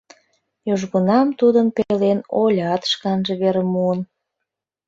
Южгунам тудын пелен Олят шканже верым муын.